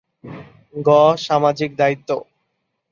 গ. সামাজিক দায়িত্ব